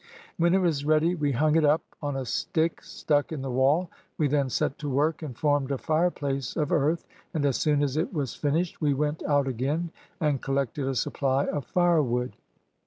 When it was ready we hung it up on a stick stuck in the wall. We then set to work and formed a fireplace of earth, and, as soon as it was finished, we went out again and collected a supply of firewood.